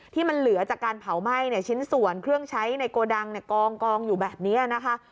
ที่มันเหลือจากการเผาไหม้ชิ้นส่วนเครื่องใช้ในโกดังกองอยู่แบบนี้นะคะ